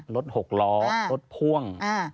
รถ๖ล้อรถพ่วง